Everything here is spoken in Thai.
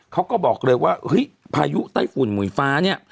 เขาก็บอกเลยว่าเฮ้ยพายุไต้ฝุ่นหมุยฟ้าเนี่ย